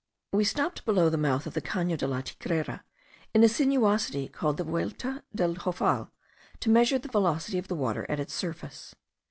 We stopped below the mouth of the Cano de la Tigrera, in a sinuosity called la Vuelta del Joval, to measure the velocity of the water at its surface.